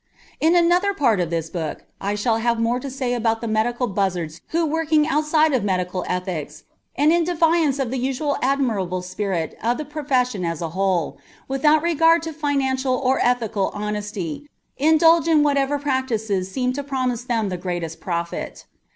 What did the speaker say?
In another part of this book I shall have more to say about the medical buzzards who, working outside of medical ethics and in defiance of the usually admirable spirit of the profession as a whole, without regard to financial or ethical honesty, indulge in whatever practices seem to promise them the greatest profit.